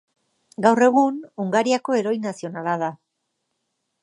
Gaur egun, Hungariako heroi nazionala da.